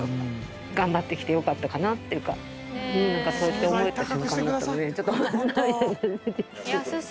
頑張ってきてよかったかなっていうかそうやって思えた瞬間だったので思わず涙が出てきて。